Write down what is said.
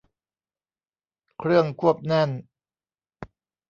เครื่องควบแน่น